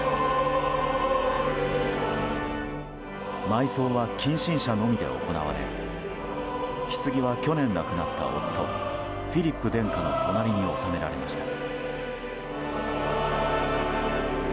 埋葬は近親者のみで行われひつぎは去年亡くなった夫フィリップ殿下の隣に納められました。